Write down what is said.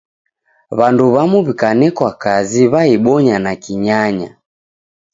W'andu w'amu w'ikanekwa kazi, w'aibonya na kinyanya.